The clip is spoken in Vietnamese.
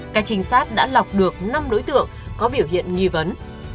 các trinh sát đã lọc được năm đối tượng có biểu hiện nghi vấn